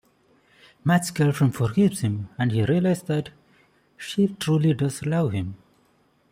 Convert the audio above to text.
Max's girlfriend forgives him and he realizes that she truly does love him.